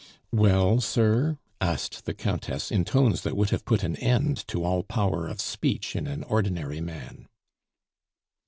"Well, sir?" asked the Countess, in tones that would have put an end to all power of speech in an ordinary man.